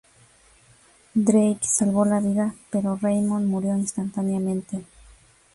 Drake salvó la vida, pero Raymond murió instantáneamente.